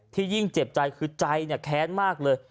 ยิ่งเจ็บใจคือใจแค้นมากเลย